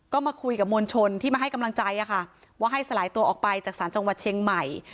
ก็มาคุยกับมวลชนที่มาให้กำลังใจว่าให้สลายตัวออกไปจากศาลจังหวัดเชียงใหม่